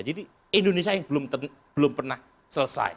jadi indonesia yang belum pernah selesai